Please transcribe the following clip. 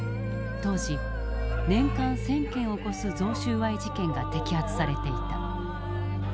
当時年間１，０００件を超す贈収賄事件が摘発されていた。